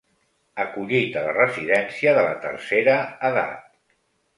Acollit a la residència de la tercera edat.